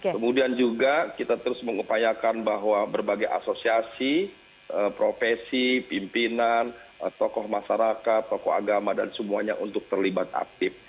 kemudian juga kita terus mengupayakan bahwa berbagai asosiasi profesi pimpinan tokoh masyarakat tokoh agama dan semuanya untuk terlibat aktif